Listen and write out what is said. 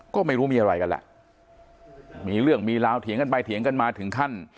ก็ไม่รู้มีอะไรกันแหละมีเรื่องมีราวเถียงกันไปเถียงกันมาถึงขั้น